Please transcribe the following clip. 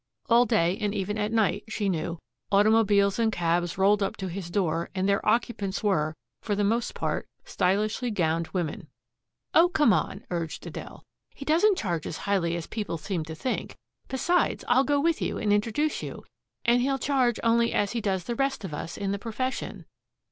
All day and even at night, she knew, automobiles and cabs rolled up to his door and their occupants were, for the most part, stylishly gowned women. "Oh, come on," urged Adele. "He doesn't charge as highly as people seem to think. Besides, I'll go with you and introduce you, and he'll charge only as he does the rest of us in the profession."